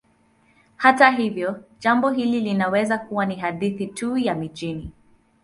Hata hivyo, jambo hili linaweza kuwa ni hadithi tu ya mijini.